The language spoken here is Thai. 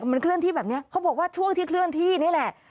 มันเคลื่อนที่แบบนี้เขาบอกว่าช่วงที่เคลื่อนที่นี่แหละ